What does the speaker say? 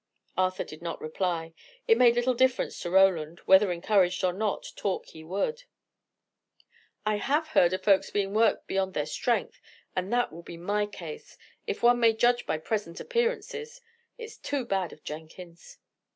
Arthur did not reply. It made little difference to Roland: whether encouraged or not, talk he would. "I have heard of folks being worked beyond their strength; and that will be my case, if one may judge by present appearances. It's too bad of Jenkins!"